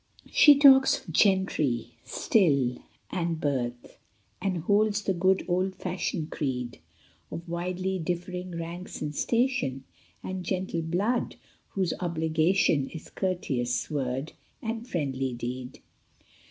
HE talks of " gentry " still, and "birth," And holds the good old fashioned creed Of widely differing ranks and station, And gentle blood, whose obligation Is courteous word and friendly deed.